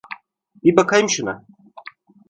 Bir bakayım şuna.